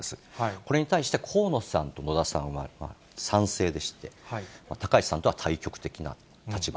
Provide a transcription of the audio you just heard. これに対して河野さんと野田さんは賛成でして、高市さんとは対極的な立場。